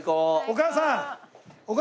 お母さん！